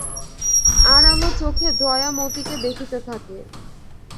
আরালো চোখে জয়া মতিকে দেখিতে থাকে।